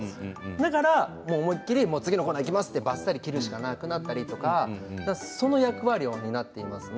だから思い切り次のコーナーいきますとばっさり切るしかなくなったりとかその役割を担っていますね。